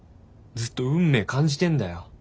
ずっと「運命」感じてんだよ。